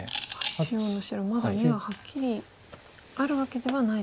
中央の白まだ眼ははっきりあるわけではないと。